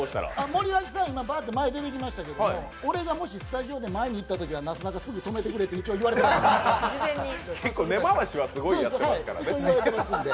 森脇さん、今前にバーッと出てきましたけど俺がもしスタジオで前に行ったときはすぐとめてくれってすぐ言われてますんで。